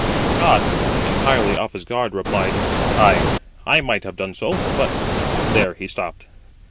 Scott, entirely off his guard, replied, "Ay, I might have done so; but " there he stopped.